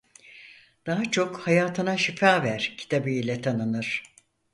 Daha çok "Hayatına Şifa Ver" kitabı ile tanınır.